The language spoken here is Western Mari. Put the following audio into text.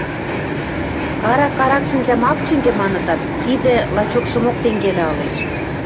«Карак карак сӹнзӓм ак чӹнгӹ» манытат, тидӹ лачокшымок тенгелӓ ылеш.